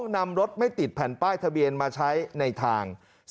นำรถไม่ติดแผ่นป้ายทะเบียนมาใช้ในทาง